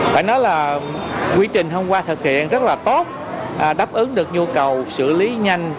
phải nói là quy trình hôm qua thực hiện rất là tốt đáp ứng được nhu cầu xử lý nhanh